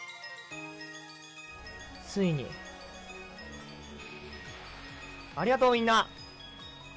「ついにありがとうみんな！